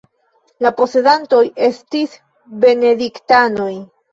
La posedantoj estis benediktanoj.